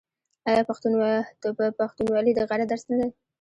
آیا پښتونولي د غیرت درس نه دی؟